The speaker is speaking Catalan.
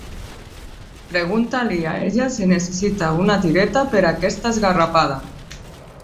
Pregunta-li a ella si necessita una tireta per a aquesta esgarrapada.